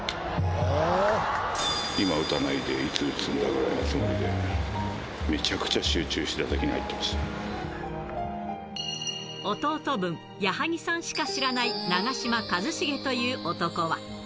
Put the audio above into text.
今打たないでいつ打つんだぐらいのつもりで、めちゃくちゃ集中し弟分、矢作さんしか知らない長嶋一茂という男は。